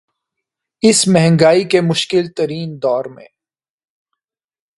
اس مہنگائی کے مشکل ترین دور میں